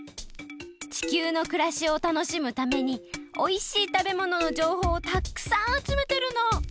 地球のくらしをたのしむためにおいしいたべもののじょうほうをたっくさんあつめてるの！